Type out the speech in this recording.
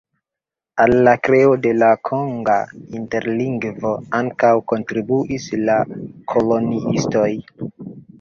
Al la kreo de la konga interlingvo ankaŭ kontribuis la koloniistoj.